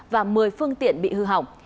và một mươi phương tiện bị hư hỏng